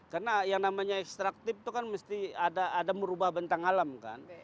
karena yang namanya ekstraktif itu kan mesti ada merubah bentang alam kan